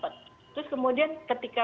terus kemudian ketika